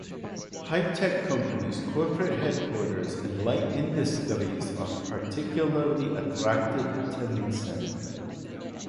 High-tech companies, corporate headquarters, and light industries are particularly attracted to Mason.